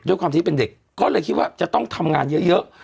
ด้วยความที่เป็นเด็กก็เลยคิดว่าจะต้องทำงานเยอะ